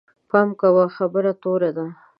پام کوه، خبره توره ده